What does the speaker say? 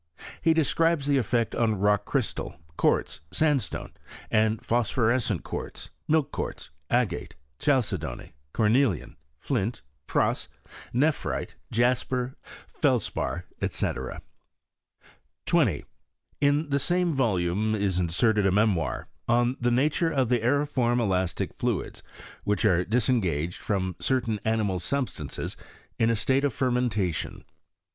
He deccriUfS the effect on rock crvstaJ, quartz, ■audBtooe, sand, phosphorescent quartz, miUc quaitx, a^ate, chalcedony, cornelian, flint, prase, nephrite, jaiper, feUpar, &c. 20. In the same volume is inserted a memoir " On the Nature of the aeriform elastic Fluids which are disengaged from certain animal Substances in a state of Fermentation."